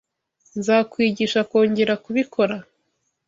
Nzakwigisha kongera kubikora.